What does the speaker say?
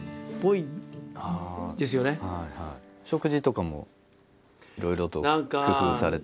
食事とかもいろいろと工夫されて？